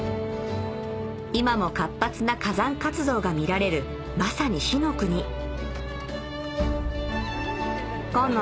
今も活発な火山活動が見られるまさに火の国紺野